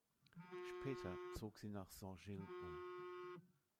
Später zog sie nach Saint-Gilles um.